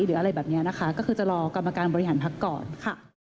หรืออะไรแบบนี้นะคะก็คือจะรอกรรมการบริหารพักก่อนค่ะ